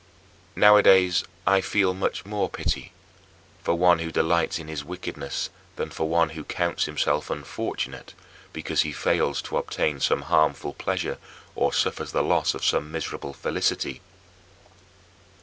Nowadays I feel much more pity for one who delights in his wickedness than for one who counts himself unfortunate because he fails to obtain some harmful pleasure or suffers the loss of some miserable felicity.